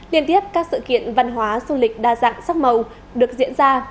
liên tiếp các sự kiện văn hóa du lịch đa dạng sắc màu được diễn ra